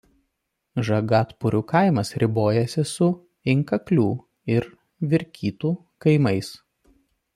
Žagatpurvių kaimas ribojasi su Inkaklių ir Virkytų kaimais.